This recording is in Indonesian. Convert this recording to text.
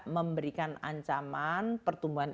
memberikan ancaman pertumbuhan